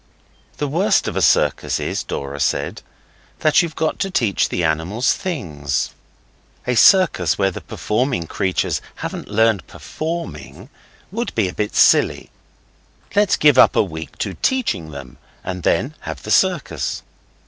'The worst of a circus is,' Dora said, 'that you've got to teach the animals things. A circus where the performing creatures hadn't learned performing would be a bit silly. Let's give up a week to teaching them and then have the circus.